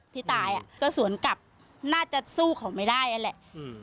ที่ตายอ่ะก็สวนกลับน่าจะสู้เขาไม่ได้นั่นแหละอืม